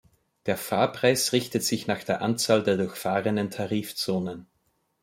Der Fahrpreis richtet sich nach der Anzahl der durchfahrenen Tarifzonen.